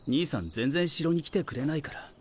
全然城に来てくれないから。